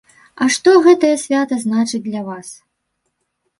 А што гэтае свята значыць для вас?